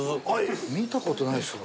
見たことないですよ。